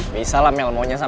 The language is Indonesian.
bisa lah mel maunya sama lo